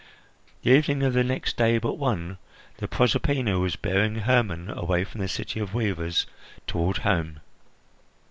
The evening of the next day but one the Proserpina was bearing Hermon away from the city of weavers toward home.